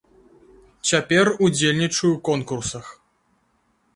Цяпер удзельнічаю ў конкурсах.